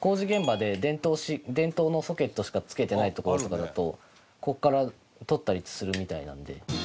工事現場で電灯のソケットしかつけてない所とかだとここからとったりするみたいなので。